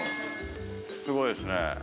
すごいですね。